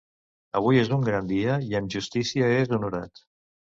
Avui és un gran dia i amb justícia és honorat.